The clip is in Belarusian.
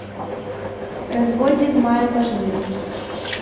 Разводдзе з мая па жнівень.